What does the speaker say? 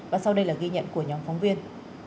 và sau đây là ghi nhận của nhóm phóng viên